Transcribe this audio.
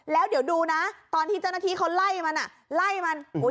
แล้วเดี๋ยวดูนะตอนที่เจ้าหน้าที่เขาไล่มันไล่มัน